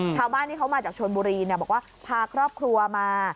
ชาวบ้านที่เขามาจากชนบุรีบอกว่าพาครอบครัวมา